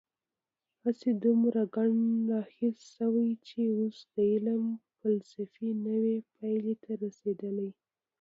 هڅې دومره ګڼ اړخیزې شوي چې اوس د علم فېلسوفي نوې پایلې ته رسېدلې.